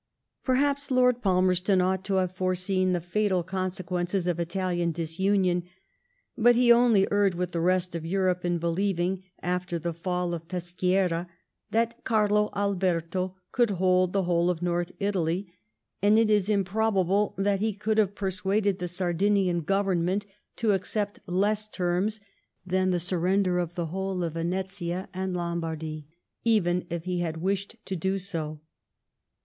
Perhaps Lord Palmerston ought to haye foreseen the fatal consequences of Italian disunion, but he only erred ¥rith the rest of Europe in believing, after the fall of Peschiera, that Carlo Alberto could hold the whole of North Italy, and it is improbable that he could have persuaded the Sardinian Government to accept less terms than the surrender of the whole of Venetia and Lombardy, even if he had wished to do so.